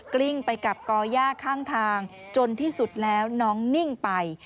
กลิ้งไปกับก่อย่าข้างทางจนที่สุดแล้วน้องนิ่งไป